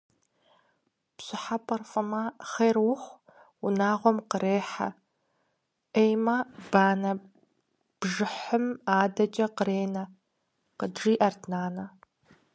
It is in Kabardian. «Пщӏыхьэпӏэр фӀымэ, хъер ухъу, унагъуэм кърырехьэ, Ӏеймэ, банэ бжыхьым адэкӀэ кърыренэ», – къыджиӀэрт нанэ.